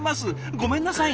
ごめんなさいね。